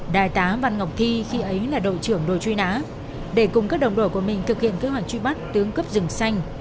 đại tá văn ngọc thi khi ấy là đội trưởng đội truy nã để cùng các đồng đội của mình thực hiện kế hoạch truy bắt tướng cấp rừng xanh